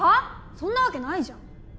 そんなわけないじゃん